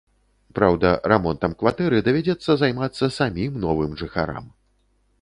Праўда, рамонтам кватэры давядзецца займацца самім новым жыхарам.